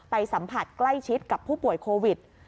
สัมผัสใกล้ชิดกับผู้ป่วยโควิด